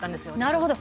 「なるほど」